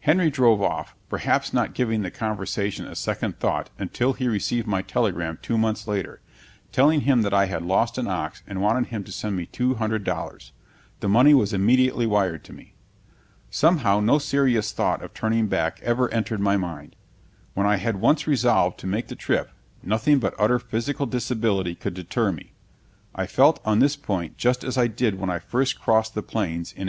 Henry drove off, perhaps not giving the conversation a second thought until he received my telegram two months later, telling him that I had lost an ox and wanted him to send me two hundred dollars. The money was immediately wired to me. Somehow no serious thought of turning back ever entered my mind. When I had once resolved to make the trip, nothing but utter physical disability could deter me. I felt on this point just as I did when I first crossed the Plains in 1852.